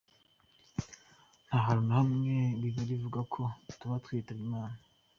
Nta hantu na hamwe bible ivuga ko tuba twitabye imana.